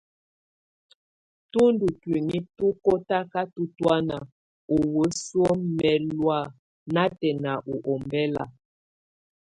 Tú ndù tuinyii tu kɔtakatɔ tɔ̀ána ú wesuǝ mɛlɔ̀á natɛna u ɔmbɛla.